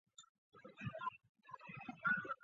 现为杰星传播签约艺人。